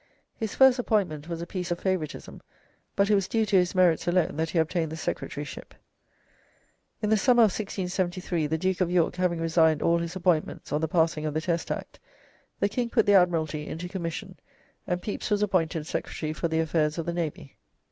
His first appointment was a piece of favouritism, but it was due to his merits alone that he obtained the secretaryship. In the summer of 1673, the Duke of York having resigned all his appointments on the passing of the Test Act, the King put the Admiralty into commission, and Pepys was appointed Secretary for the Affairs of the Navy.